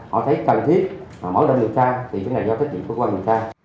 họ thấy cần thiết mở rộng điều tra thì cái này là do trách nhiệm của cơ quan điều tra